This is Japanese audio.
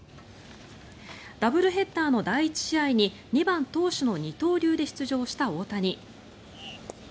ダブルヘッダーの第１試合に２番投手の二刀流で出場した大谷。